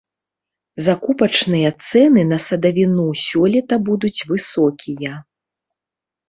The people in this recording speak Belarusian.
Закупачныя цэны на садавіну сёлета будуць высокія.